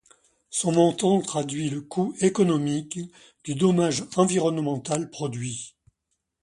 Son montant traduit le coût économique du dommage environnemental produit.